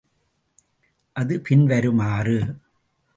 அது பின் வருமாறு.